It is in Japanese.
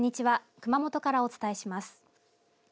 熊本からお伝えします。